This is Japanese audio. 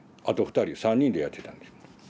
あと２人３人でやってたんです。